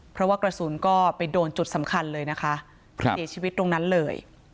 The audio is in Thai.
เพราะว่ากระสุนก็ไปโดนจุดสำคัญเลยนะคะเสียชีวิตตรงนั้นเลย